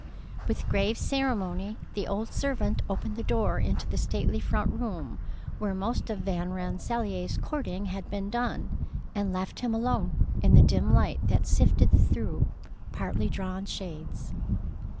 With grave ceremony, the old servant opened the door into the stately front room where most of Van Rensselaer's courting had been done, and left him alone in the dim light that sifted through partly drawn shades.